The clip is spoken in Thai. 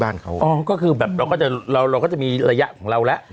อ๋อก็คือแบบเราก็จะเราเราก็จะมีระยะของเราแล้ว